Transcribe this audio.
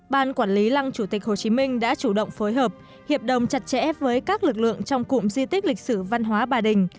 ban quản lý lăng chủ tịch hồ chí minh đã chủ động phối hợp hiệp đồng chặt chẽ với các lực lượng trong cụm di tích lịch sử văn hóa bà đình